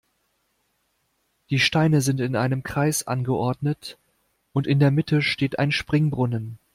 Die Steine sind in einem Kreis angeordnet und in der Mitte steht ein Springbrunnen.